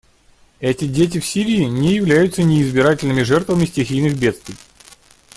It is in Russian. Эти дети в Сирии не являются неизбирательными жертвами стихийных бедствий.